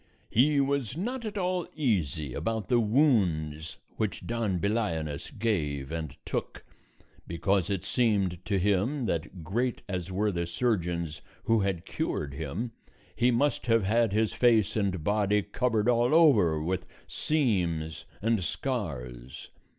He was not at all easy about the wounds which Don Belianis gave and took, because it seemed to him that, great as were the surgeons who had cured him, he must have had his face and body covered all over with seams and scars.